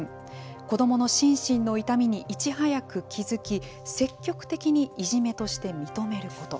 子どもの心身の痛みにいち早く気付き積極的にいじめとして認めること。